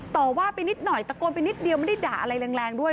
ต่อว่าไปนิดหน่อยตะโกนไปนิดเดียวไม่ได้ด่าอะไรแรงด้วย